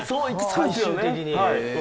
最終的に。